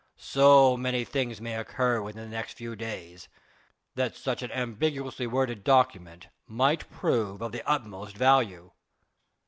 "So many things may occur within the next few days that such an ambiguously worded document might prove of the utmost value."